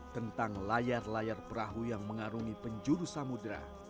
tentang layar layar perahu yang mengarungi penjuru samudera